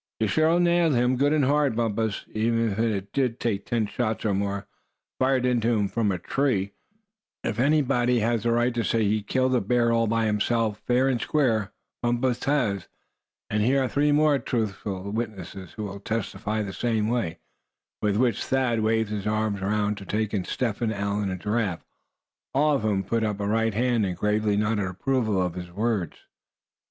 "You sure nailed him, good and hard, Bumpus, even if it did take ten shots or more, fired into him from a tree, to do the business. If ever anybody has a right to say he killed a bear all by himself, fair and square, Bumpus has. And here are three more truthful witnesses who will testify the same way," with which Thad waved his arm around to take in Step Hen, Allan and Giraffe, all of whom put up a right hand, and gravely nodded approval of his words.